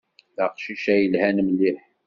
D aqcic ay yelhan mliḥ.